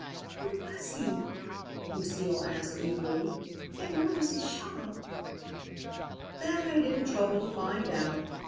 "Who was he?" Lucile asked eagerly, "and where was his shop?" "That I didn't trouble to find out.